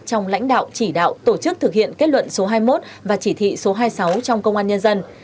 trong lãnh đạo chỉ đạo tổ chức thực hiện kết luận số hai mươi một và chỉ thị số hai mươi sáu trong công an nhân dân